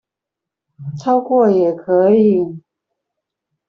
超過也可以